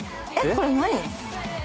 これ何？